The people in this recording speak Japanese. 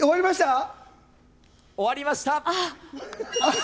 終わりました。